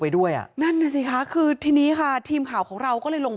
ด้วยอ่ะนั่นน่ะสิคะคือทีนี้ค่ะทีมข่าวของเราก็เลยลง